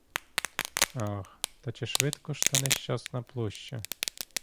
Ах, та чи швидко ж та нещасна площа?